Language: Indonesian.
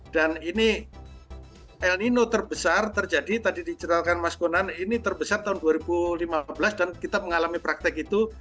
dan ini el nino terbesar terjadi tadi diceritakan mas konan ini terbesar tahun dua ribu lima belas dan kita mengalami praktek itu